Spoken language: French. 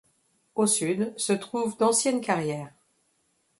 Au sud se trouve d'anciennes carrières.